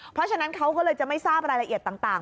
เพราะฉะนั้นเขาก็เลยจะไม่ทราบรายละเอียดต่าง